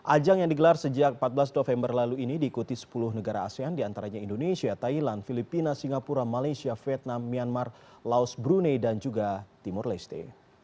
ajang yang digelar sejak empat belas november lalu ini diikuti sepuluh negara asean diantaranya indonesia thailand filipina singapura malaysia vietnam myanmar laos brunei dan juga timur leste